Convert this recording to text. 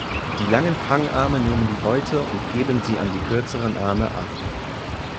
Die langen Fangarme nehmen die Beute und geben sie an die kürzeren Arme ab.